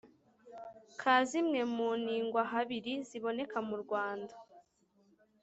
ka zimwe mu nigwahabiri ziboneka mu Rwanda